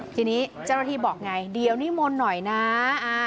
ที่นี้เจ้าระธีบอกไงเดี๋ยวนิมนบาทหน่อยนะคะ